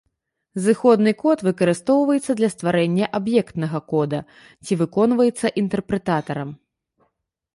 Зыходны код выкарыстоўваецца для стварэння аб'ектнага кода, ці выконваецца інтэрпрэтатарам.